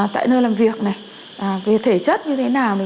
tại nơi làm việc này về thể chất như thế nào